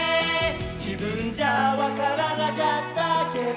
「じぶんじゃわからなかったけど」